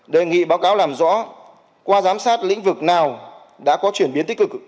đề nghị báo cáo làm rõ qua giám sát lĩnh vực nào đã có chuyển biến tích cực